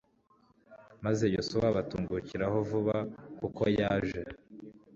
maze yosuwa abatungukiraho vuba kuko yaje